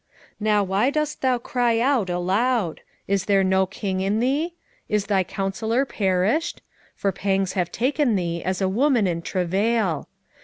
4:9 Now why dost thou cry out aloud? is there no king in thee? is thy counsellor perished? for pangs have taken thee as a woman in travail.